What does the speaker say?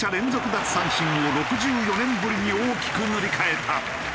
奪三振を６４年ぶりに大きく塗り替えた。